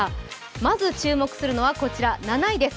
まず注目するのはこちら７位です。